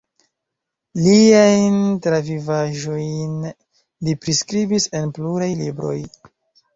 Liajn travivaĵojn li priskribis en pluraj libroj.